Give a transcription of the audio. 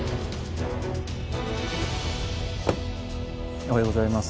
おはようございます。